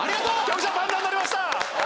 パンダになりました！